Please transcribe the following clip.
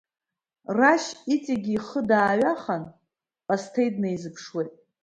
Рашь иҵегьгьы ихы дааҩаханы Ҟасҭеи днеизыԥшуеит.